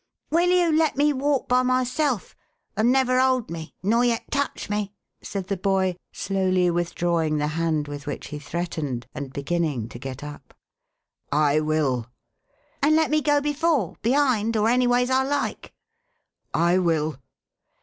"Will you let me walk by myself, and never hold me, nor yet touch me?" said the boy, slowly withdrawing the hand with which he threatened, and beginning to get up. "I will!" "And let me go before, behind, or anyways I like?" "I will!"